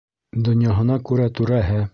Донъяһына күрә түрәһе.